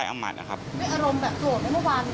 นี่อารมณ์แบบโกรธไหมเมื่อวาน